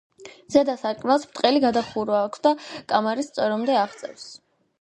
ზედა სარკმელს ბრტყელი გადახურვა აქვს და კამარის წვერომდე აღწევს.